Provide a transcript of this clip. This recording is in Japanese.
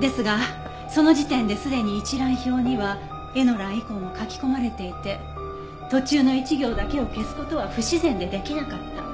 ですがその時点ですでに一覧表にはエの欄以降も書き込まれていて途中の一行だけを消す事は不自然でできなかった。